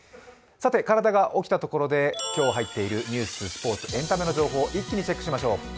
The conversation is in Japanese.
さて体が起きたところで、今日入っているニュース、スポーツ、エンタメの情報を一気にチェックしましょう。